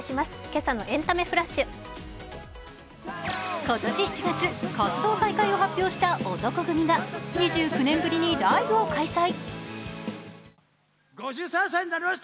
今年７月、活動再開を発表した男闘呼組が２９年ぶりにライブを開催。